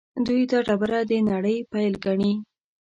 دوی دا ډبره د نړۍ پیل ګڼي.